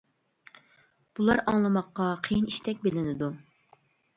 بۇلار ئاڭلىماققا قىيىن ئىشتەك بىلىنىدۇ.